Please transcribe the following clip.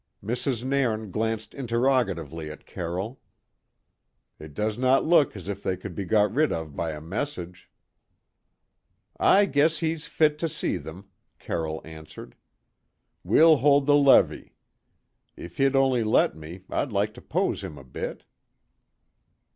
Mrs. Nairn glanced interrogatively at Carroll. "It does not look as if they could be got rid of by a message." "I guess he's fit to see them," Carroll answered. "We'll hold the levée. If he'd only let me, I'd like to pose him a bit."